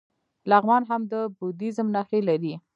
لغمان هم د بودیزم نښې لري